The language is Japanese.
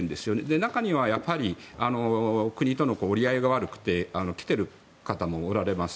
中にはやはり国との折り合いが悪くて来ている方もおられます。